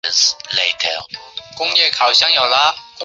东西梳妆楼均为两层三檐歇山顶。